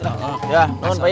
ya tolong pak ian